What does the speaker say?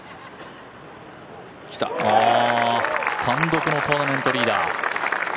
単独のトーナメントリーダー。